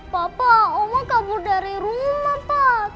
papa oma kabur dari rumah pak